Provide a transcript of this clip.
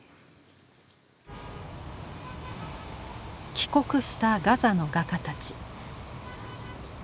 帰国したガザの画家たち。